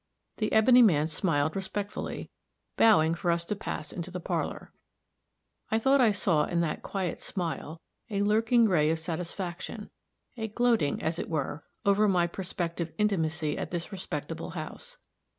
The ebony man smiled respectfully, bowing for us to pass into the parlor. I thought I saw in that quiet smile a lurking ray of satisfaction a gloating, as it were, over my prospective intimacy at this respectable house.